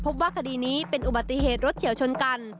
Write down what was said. พบว่าคดีนี้เป็นอุบัติเหตุรถเฉียวชนกัน